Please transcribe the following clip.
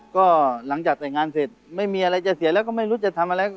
ก็หลังจากแต่งงานเสร็จไม่มีอะไรจะเสียแล้วก็ไม่รู้จะทำอะไร